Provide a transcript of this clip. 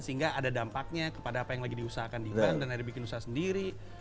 sehingga ada dampaknya kepada apa yang lagi diusahakan di bank dan ada bikin usaha sendiri